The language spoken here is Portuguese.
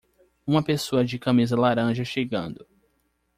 Uma pessoa de camisa laranja chegando.